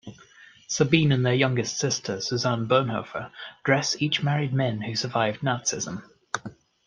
Sabine and their youngest sister Susanne Bonhoeffer Dress each married men who survived Nazism.